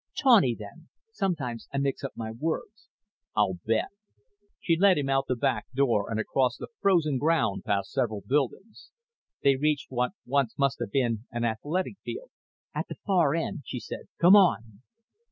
"Tawny, then; sometimes I mix up my words." "I'll bet." She led him out the back door and across the frozen ground past several buildings. They reached what once must have been an athletic field. "At the far end," she said. "Come on."